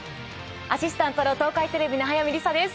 アシスタントの東海テレビの速水里彩です。